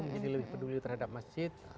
lebih peduli terhadap masjid